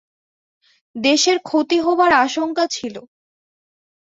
দেশের ক্ষতি হবার আশঙ্কা ছিল।